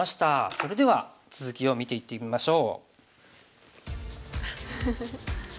それでは続きを見ていってみましょう。